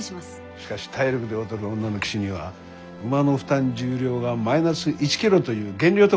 しかし体力で劣る女の騎手には馬の負担重量がマイナス１キロという減量特典がある。